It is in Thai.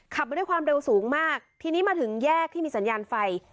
มาด้วยความเร็วสูงมากทีนี้มาถึงแยกที่มีสัญญาณไฟ